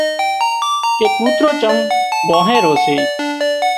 ڪي ڪوترو چم ڀانهي رو سي